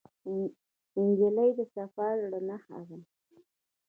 نجلۍ د صفا زړه نښه ده.